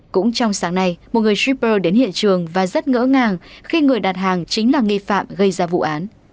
cũng trong sáng nay một người shipper đến hiện trường và rất ngỡ ngàng khi người đặt hàng chính là nghi phạm gây ra vụ án